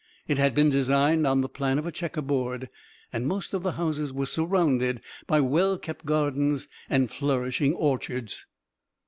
It had been designed on the plan of a checker board, and most of the houses were surrounded by well kept gardens and flourishing orchards.